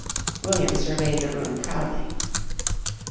William surveyed the room proudly.